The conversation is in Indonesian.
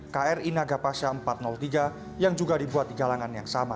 kri nagapasya empat ratus tiga yang juga dibuat di galangan yang sama